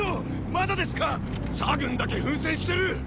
まだですかっ⁉左軍だけ奮戦してるっ！